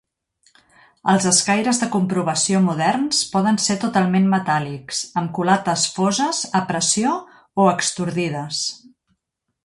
Els escaires de comprovació moderns poden ser totalment metàl·lics, amb culates foses a pressió o extrudides.